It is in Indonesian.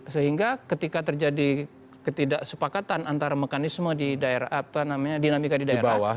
sehingga ketika terjadi ketidaksepakatan antara mekanisme di daerah atau dinamika di daerah